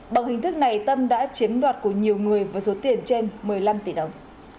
bằng hình thức này tâm đã chiếm đoạt của nhiều người với số tiền trên một mươi năm tỷ đồng